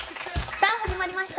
さあ始まりました。